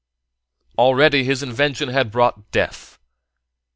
Already his invention had brought death.